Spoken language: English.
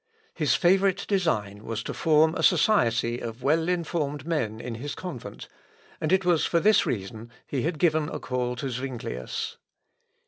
His favourite design was to form a society of well informed men in his convent; and it was for this reason he had given a call to Zuinglius.